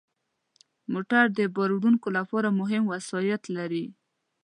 موټر د بار وړونکو لپاره مهم وسایط لري.